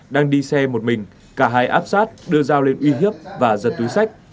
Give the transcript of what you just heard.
đang đi xe một mình cả hai áp sát đưa dao lên uy hiếp và giật túi sách